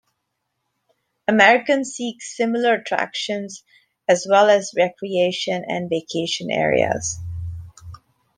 Americans seek similar attractions, as well as recreation and vacation areas.